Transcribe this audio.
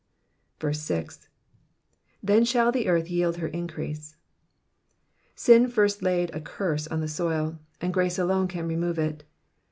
6. Then shall the earth yield her increase,'*'^ Sin first laid a curse on the soil, and grace alone can remove it.